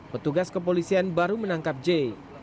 petugas kepolisian baru menangkap j